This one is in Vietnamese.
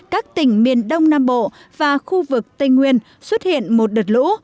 các tỉnh miền đông nam bộ và khu vực tây nguyên xuất hiện một đợt lũ